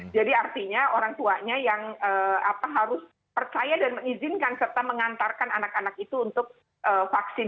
jadi artinya orang tuanya yang harus percaya dan mengizinkan serta mengantarkan anak anak itu untuk vaksin